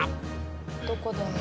どこだろう？